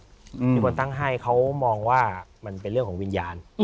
ที่คนตั้งให้เขามองว่ามันเป็นเรื่องของวิญญาณ